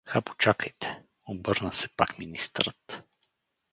— Ха, почакайте — обърна се пак министърът.